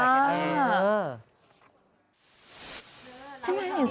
เออ